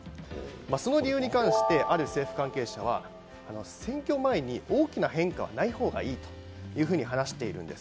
その理由に関してある政府関係者は選挙前に大きな変化はないほうがいいと話しているんです。